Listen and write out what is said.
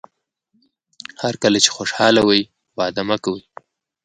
هر کله چې خوشاله وئ وعده مه کوئ.